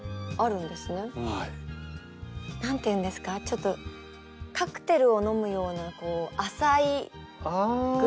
何て言うんですかちょっとカクテルを飲むような浅いグラスって言うんですか？